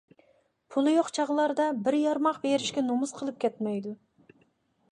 پۇلى يوق چاغلاردا بىر يارماق بېرىشكە نومۇس قىلىپ كەتمەيدۇ.